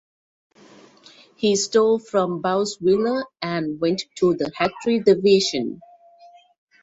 He stole from Bouxwiller and went to the Hatry division.